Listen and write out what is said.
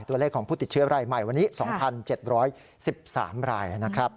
ตัวเลขของผู้ติดเชื้อรายใหม่วันนี้๒๗๑๓รายนะครับ